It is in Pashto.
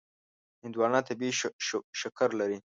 هندوانه طبیعي شکر لري.